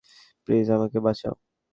Please আমাকে বাঁচাও।